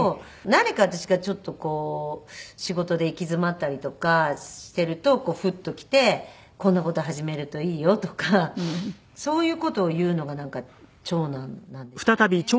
何か私がちょっとこう仕事で行き詰まったりとかしているとふっと来て「こんな事始めるといいよ」とかそういう事を言うのが長男なんですよね。